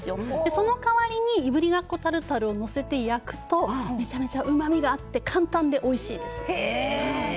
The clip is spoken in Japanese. その代わりにいぶりがっこタルタルをのせて焼くとめちゃめちゃうまみがあって簡単でおいしいです。